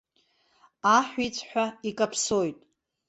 Аҳәиҵәҳәа икаԥсоит.